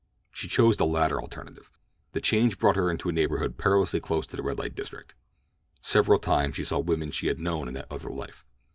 She chose the latter alternative. The change brought her into a neighborhood perilously close to the red light district. Several times she saw women she had known in that other life.